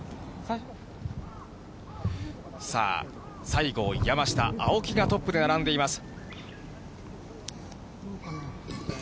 西郷、山下、青木がトップで並んでいます。